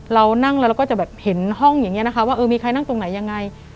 เรานั่งแล้วเราก็จะแบบเห็นห้องอย่างนี้นะคะว่าเออมีใครนั่งตรงไหนยังไง